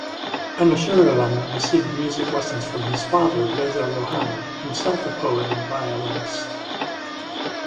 Anoushiravan received music lessons from his father Reza Rohani, himself a poet and violinist.